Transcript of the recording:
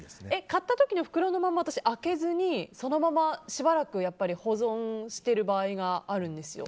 買った時に袋のまま開けずにそのまましばらく保存してる場合があるんですよ。